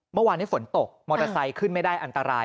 เมื่อวานนี้ฝนตกมอเตอร์ไซค์ขึ้นไม่ได้อันตราย